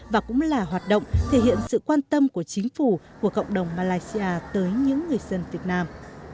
và cũng là hoạt động thể hiện sự quan tâm của chính phủ của cộng đồng malaysia tới những người dân việt nam